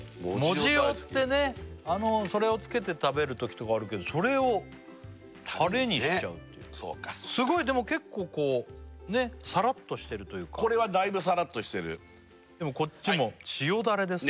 藻塩大好きそれをつけて食べるときとかあるけどそれをタレにしちゃうっていうタレにねそうかそうかでも結構こうサラッとしてるというかこれはだいぶサラッとしてるでもこっちも塩ダレですよ